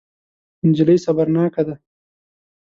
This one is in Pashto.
نجلۍ صبرناکه ده.